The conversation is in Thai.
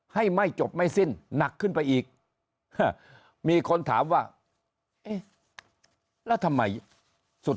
ให้ไม่จบไม่สิ้นหนักขึ้นไปอีกมีคนถามว่าเอ๊ะแล้วทำไมสุด